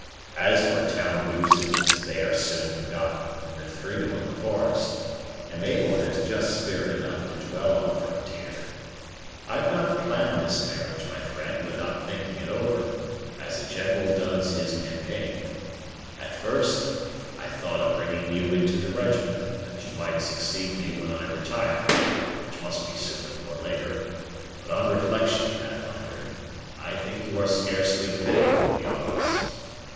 "As for town usages, they are soon forgotten in the freedom of the forest, and Mabel has just spirit enough to dwell on a frontier. I've not planned this marriage, my friend, without thinking it over, as a general does his campaign. At first, I thought of bringing you into the regiment, that you might succeed me when I retire, which must be sooner or later; but on reflection, Pathfinder, I think you are scarcely fitted for the office.